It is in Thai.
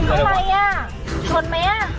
อะไรอ่ะชนไหม